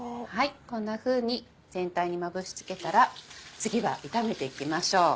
こんなふうに全体にまぶし付けたら次は炒めていきましょう。